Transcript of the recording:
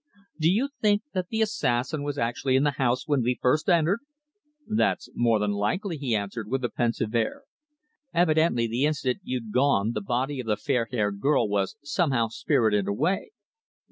"Do you think that the assassin was actually in the house when we first entered?" "That's more than likely," he answered with a pensive air. "Evidently the instant you'd gone the body of the fair haired girl was somehow spirited away."